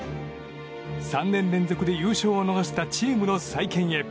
３年連続で優勝を逃したチームの再建へ。